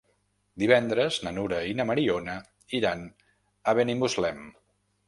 Divendres na Nura i na Mariona iran a Benimuslem.